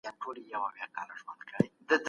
فیلو پولیسو ته لوېږي.